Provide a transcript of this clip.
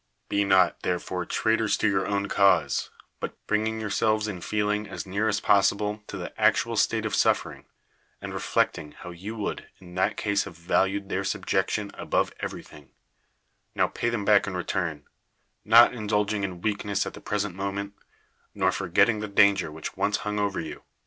Be not therefore traitors to your o^\'n cause ; but bringing yourselves in feeling as near as possible to the actual state of suffering, and re flecting how you would in that case have valued their subjection above everything, now pay them back in return, not indulging in weakness at the present moment, nor forgetting the danger which once hung over you.